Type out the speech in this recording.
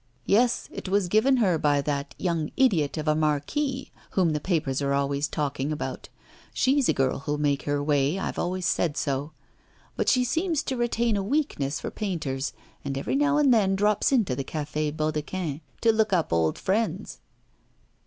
Yes, it was given her by that young idiot of a marquis, whom the papers are always talking about. She's a girl who'll make her way; I've always said so! But she seems to retain a weakness for painters, and every now and then drops into the Café Baudequin to look up old friends!